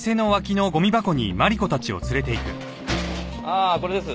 ああこれです